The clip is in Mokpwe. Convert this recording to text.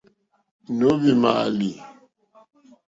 Nǒhwì mààlì.